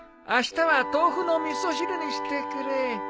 あしたは豆腐の味噌汁にしてくれ。